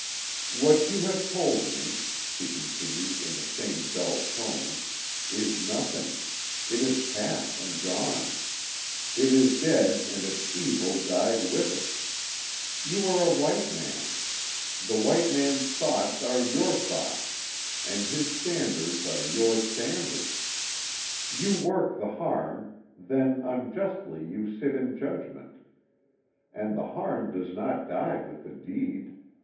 _" "What you have told me," she continued, in the same dull tone, "Is nothing. It is past and gone. It is dead, and its evil died with it. You are a white man. The white man's thoughts are your thoughts, and his standards are your standards. You work the harm, then unjustly you sit in judgment. And the harm does not die with the deed.